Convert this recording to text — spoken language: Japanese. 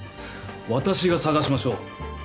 私が捜しましょう。